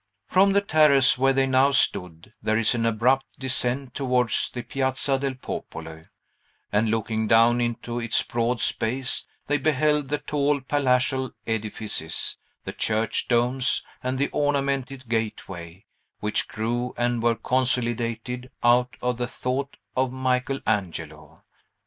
From the terrace where they now stood there is an abrupt descent towards the Piazza del Popolo; and looking down into its broad space they beheld the tall palatial edifices, the church domes, and the ornamented gateway, which grew and were consolidated out of the thought of Michael Angelo.